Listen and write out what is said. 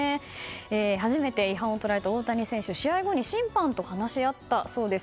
初めて違反を取られた大谷選手試合後に審判と話し合ったそうです。